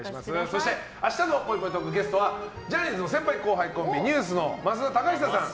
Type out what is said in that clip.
そして明日のぽいぽいトークのゲストはジャニーズの先輩後輩コンビＮＥＷＳの増田貴久さん